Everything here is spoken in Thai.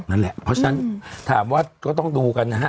นั่นแหละเพราะฉะนั้นถามว่าก็ต้องดูกันนะฮะ